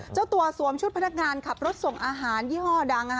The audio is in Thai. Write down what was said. เจ้าตัวสวมชุดพนักงานขับรถส่งอาหารยี่ห้อดัง